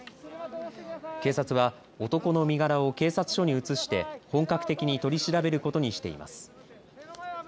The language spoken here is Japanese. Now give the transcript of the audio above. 警察は、男の身柄を警察署に移して本格的に取り調べることにしています。